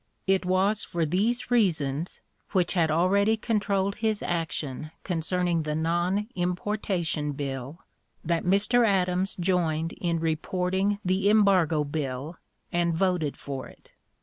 It was for these reasons, which had already controlled his action concerning the non importation bill, that Mr. Adams joined in reporting the embargo bill and voted for it.